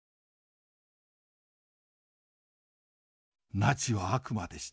「ナチは悪魔でした。